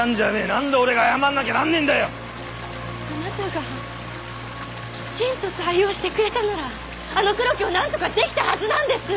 なんで俺が謝んなきゃあなたがきちんと対応してくれたならあの黒木をなんとかできたはずなんです！